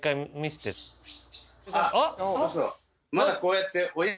まだこうやって。